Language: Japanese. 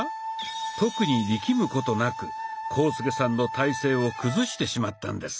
特に力むことなく浩介さんの体勢を崩してしまったんです。